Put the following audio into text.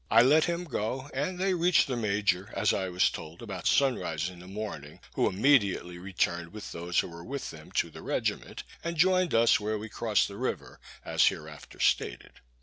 I let him go; and they reached the major, as I was told, about sunrise in the morning, who immediately returned with those who were with him to the regiment, and joined us where we crossed the river, as hereafter stated.